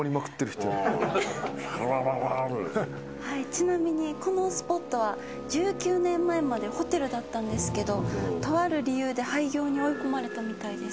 ちなみにこのスポットは１９年前までホテルだったんですけどとある理由で廃業に追い込まれたみたいです。